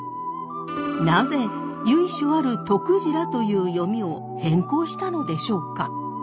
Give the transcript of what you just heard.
なぜ由緒あるとくじらという読みを変更したのでしょうか？